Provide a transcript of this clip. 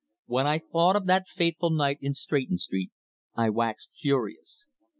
When I thought of that fateful night in Stretton Street, I waxed furious.